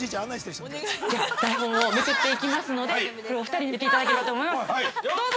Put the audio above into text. ◆じゃあ、台本をめくっていきますので、これをお二人に言っていただければと思います、どうぞ。